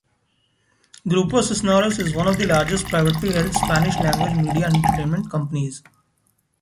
Grupo Cisneros is one of the largest privately held Spanish-language media and entertainment companies.